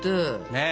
ねえ。